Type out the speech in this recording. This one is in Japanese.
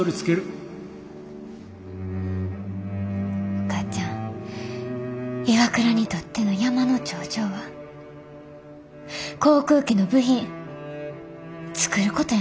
お母ちゃんＩＷＡＫＵＲＡにとっての山の頂上は航空機の部品作ることやないの？